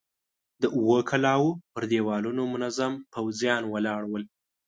د اوو کلاوو پر دېوالونو منظم پوځيان ولاړ ول.